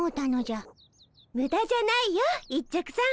ムダじゃないよ一直さん。